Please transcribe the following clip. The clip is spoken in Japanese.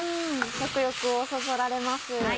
食欲をそそられます。